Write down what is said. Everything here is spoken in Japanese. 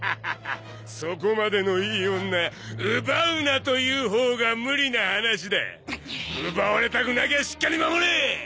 そこまでのいい女奪うなと言うほうが無理な話だ奪われたくなきゃしっかり守れ！